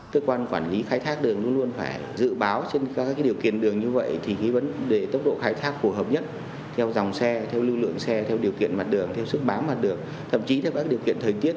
cơ quan quản lý khai thác đường luôn luôn phải dự báo trên các điều kiện đường như vậy thì vấn đề tốc độ khai thác phù hợp nhất theo dòng xe theo lưu lượng xe theo điều kiện mặt đường theo sức bám mặt đường thậm chí theo các điều kiện thời tiết